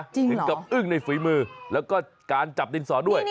ถึงกับอึ้งในฝีมือแล้วก็การจับดินสอด้วย